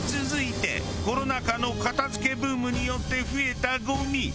続いてコロナ禍の片付けブームによって増えたゴミ。